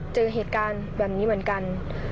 เจอเหตุการณ์แบบนี้เหมือนกัน